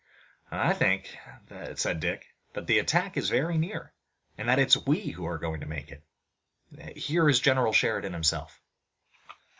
"I think," said Dick, "that the attack is very near, and that it's we who are going to make it. Here is General Sheridan himself."